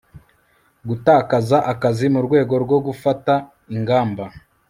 gutakaza akazi murwego rwo gufata ingamba